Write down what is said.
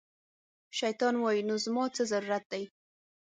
شیطان وایي، نو زما څه ضرورت دی